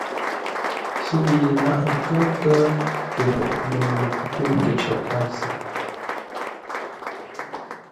Sə̌u yé lâʼ nkə́-kə̂ tə məmbəu kə̂u təcər páp zʉ́.